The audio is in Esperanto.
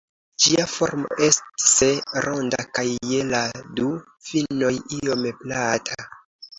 Ĝia formo ests ronda kaj je la du finoj iom plata.